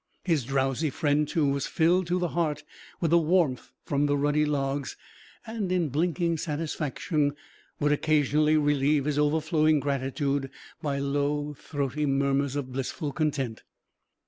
His drowsy friend, too, was filled to the heart with the warmth from the ruddy logs and, in blinking satisfaction, would occasionally relieve his overflowing gratitude by low throaty murmurs of blissful content.